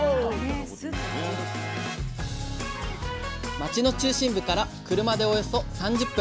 町の中心部から車でおよそ３０分。